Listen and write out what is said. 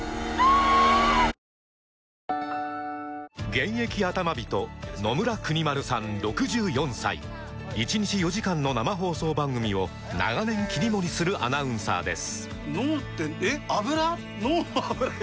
現役アタマ人野村邦丸さん６４歳１日４時間の生放送番組を長年切り盛りするアナウンサーです